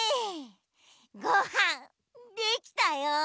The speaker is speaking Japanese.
ごはんできたよ。